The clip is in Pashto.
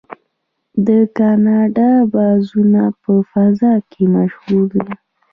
د کاناډا بازو په فضا کې مشهور دی.